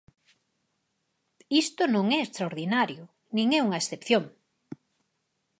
Isto non é extraordinario, nin é unha excepción.